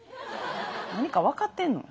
何か分かってんの？